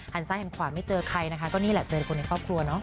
ซ้ายหันขวาไม่เจอใครนะคะก็นี่แหละเจอคนในครอบครัวเนาะ